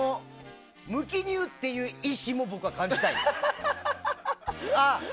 無記入という意思も僕は感じたい。